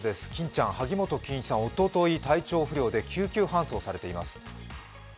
欽ちゃん、萩本欽一さん、おととい体調不良で救急搬送されています。